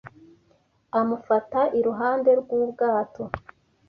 amufata iruhande rw'ubwato